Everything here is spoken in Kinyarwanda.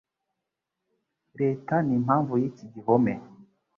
leta n'impamvu y'iki gihome